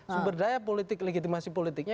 sumber daya politik legitimasi politiknya